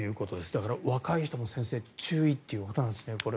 だから、若い人も、先生注意ということなんですね。